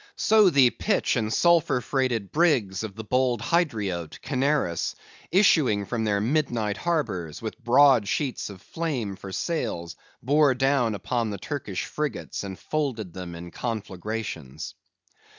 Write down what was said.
So the pitch and sulphur freighted brigs of the bold Hydriote, Canaris, issuing from their midnight harbors, with broad sheets of flame for sails, bore down upon the Turkish frigates, and folded them in conflagrations.